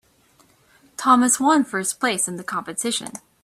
Thomas one first place in the competition.